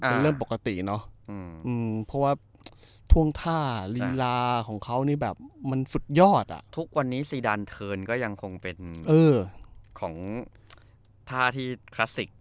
เป็นเรื่องปกติเนอะเพราะว่าท่วงท่าลีลาของเขานี่แบบมันสุดยอดอ่ะทุกวันนี้ซีดานเทิร์นก็ยังคงเป็นของท่าที่คลาสสิก